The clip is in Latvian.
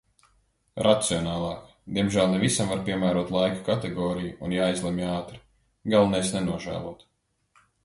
Racionālāk. Diemžēl ne visam var piemērot laika kategoriju un jāizlemj ātri. Galvenais nenožēlot.